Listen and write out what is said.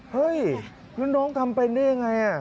เฮ้ยแล้วน้องทำเป็นได้ยังไง